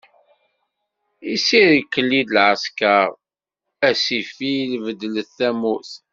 Isirkli-d lɛesker, a ssifil bedlet tamurt.